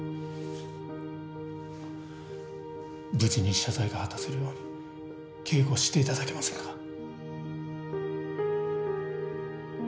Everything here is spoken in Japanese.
無事に謝罪が果たせるように警護して頂けませんか？